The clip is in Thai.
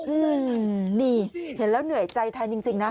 อืมนี่เห็นแล้วเหนื่อยใจแทนจริงนะ